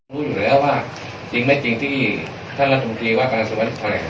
รู้อยู่แล้วว่าจริงไม่จริงที่ท่านรัฐมนตรีว่าการสวรรณชัย